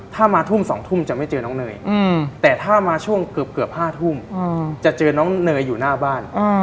ถ้ามาทุ่ม๒ทุ่มจะไม่เจอน้องเนยแต่ถ้ามาช่วงเกือบ๕ทุ่มจะเจอน้องเนยอยู่หน้าบ้าน